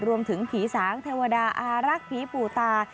รวมถึงผีสางเทวดาอารักผีปู่ตา